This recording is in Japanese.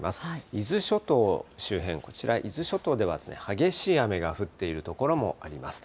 伊豆諸島周辺、こちら伊豆諸島では、激しい雨が降っている所もあります。